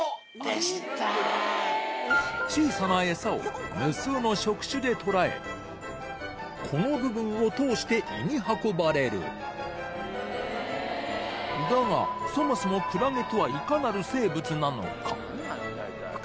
小さな餌を無数の触手で捕らえこの部分を通して胃に運ばれるだがそもそもクラゲとはいかなる生物なのか？